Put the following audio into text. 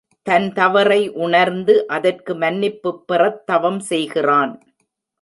தன் தவறை உணர்ந்து அதற்கு மன்னிப்புப் பெறத் தவம் செய்கிறான்.